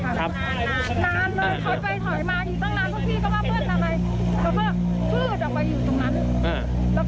พวกพี่ก็ว่าเพื่อนอะไรแล้วก็พืชออกไปอยู่ตรงนั้น